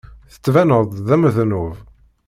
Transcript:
Tettbaneḍ-d d amednub.